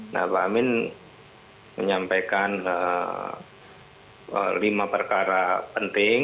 nah pak amin menyampaikan lima perkara penting